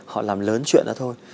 họ làm lớn chuyện đó thôi